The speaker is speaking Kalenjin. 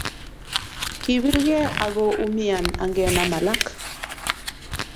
kibirgei ago umian angenam alak